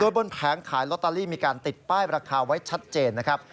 บนแผงขายลอตเตอรี่มีการติดป้ายราคาไว้ชัดเจนนะครับ